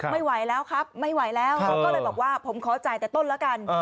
ไม่ไหวแล้วครับไม่ไหวแล้วเขาก็เลยบอกว่าผมขอจ่ายแต่ต้นแล้วกัน